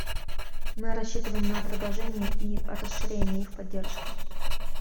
Мы рассчитываем на продолжение и расширение их поддержки.